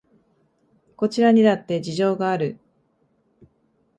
こちらにだって事情がある